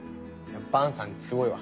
坂さんすごいわ。